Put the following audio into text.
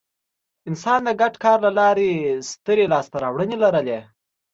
انسان د ګډ کار له لارې سترې لاستهراوړنې لرلې.